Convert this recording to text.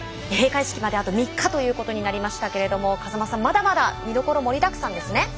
閉会式まであと３日ということになりましたけれど風間さん、まだまだ見どころ盛りだくさんですね。